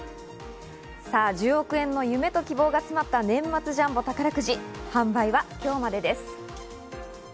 １０億円の夢と希望が詰まった年末ジャンボ宝くじ、販売は今日までです。